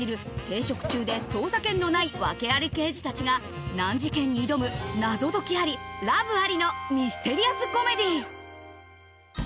停職中で捜査権のない訳あり刑事たちが難事件に挑む謎解きありラブありのミステリアスコメディー